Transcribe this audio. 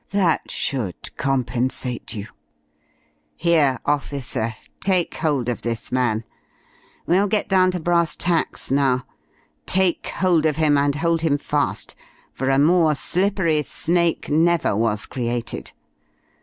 That should compensate you. Here, officer, take hold of this man. We'll get down to brass tacks now. Take hold of him, and hold him fast, for a more slippery snake never was created.